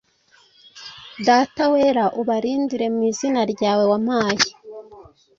Data Wera, ubarindire mu izina ryawe wampaye,